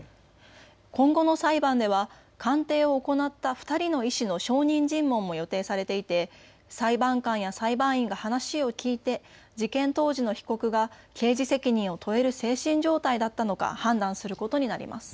今後の裁判では鑑定を行った２人の医師の証人尋問も予定されていて裁判官や裁判員が話を聞いて事件当時の被告が刑事責任を問える精神状態だったのか判断することになります。